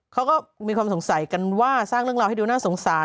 เขาก็มีความสงสัยกันว่าสร้างเรื่องราวให้ดูน่าสงสาร